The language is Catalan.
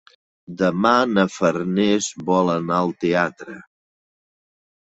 Demà na Farners vol anar al teatre.